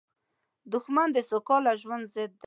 دښمن د سوکاله ژوند ضد وي